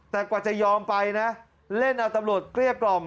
แต่กว่าจะยอมไปนะเล่นเอาตำรวจเกลี้ยกล่อม